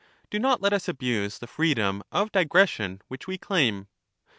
Do not let us abuse the freedom of digression which we claim.